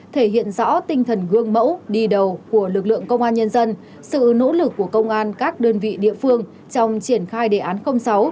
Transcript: thể hiện rõ tinh thần gương mẫu đi đầu của lực lượng công an nhân dân sự nỗ lực của công an các đơn vị địa phương trong triển khai đề án sáu